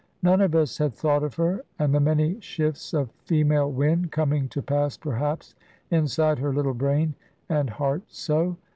None of us had thought of her, and the many shifts of female wind, coming to pass perhaps inside her little brain and heart so.